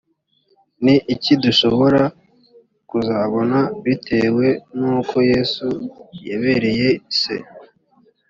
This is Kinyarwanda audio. ni iki dushobora kuzabona bitewe n uko yesu yabereye se